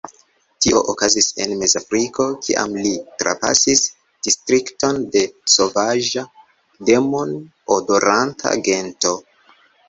Tio okazis en Mezafriko, kiam li trapasis distrikton de sovaĝa, demon-adoranta gento.